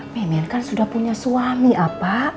memer kan sudah punya suami apa